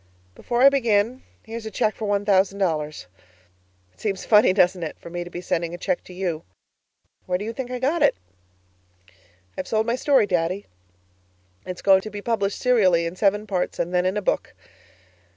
Before I begin here's a cheque for one thousand dollars. It seems funny, doesn't it, for me to be sending a cheque to you? Where do you think I got it? I've sold my story, Daddy. It's going to be published serially in seven parts, and then in a book!